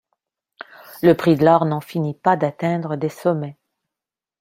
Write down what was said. Le prix de l'or n'en finit pas d'atteindre des sommets.